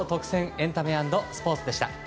エンタメ＆スポーツでした。